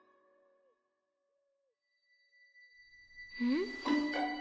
ん？